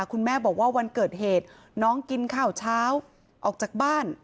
คุณแม่บอกว่าวันเกิดเหตุน้องกินข้าวเช้าออกจากบ้าน